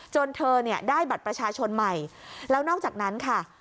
เธอเนี่ยได้บัตรประชาชนใหม่แล้วนอกจากนั้นค่ะ